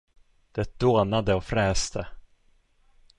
Det dånade och fräste.